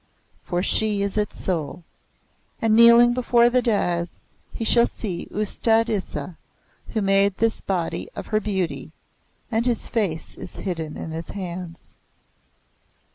For she is its soul. And kneeling before the dais, he shall see Ustad Isa, who made this body of her beauty; and his face is hidden in his hands.